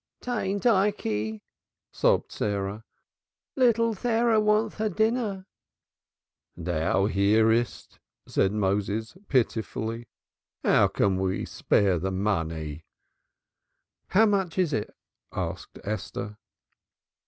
"'Tain't Ikey!" sobbed Sarah. "Little Tharah wants 'er dinner." "Thou hearest?" said Moses pitifully. "How can we spare the money?" "How much is it?" asked Esther.